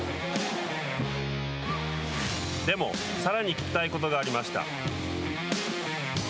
でも、さらに聞きたいことがありました。